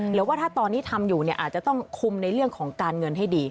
หรือว่าถ้าตอนนี้ทำอยู่เนี่ยอาจจะต้องคุมในเรื่องของการเงินให้ดี